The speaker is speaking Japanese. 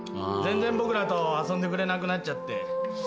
全然僕らと遊んでくれなくなっちゃって。